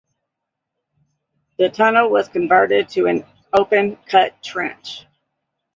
The tunnel was converted to an open cut trench.